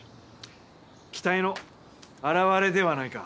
期待の表れではないか。